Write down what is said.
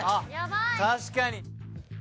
確かに。